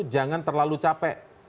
jangan terlalu capek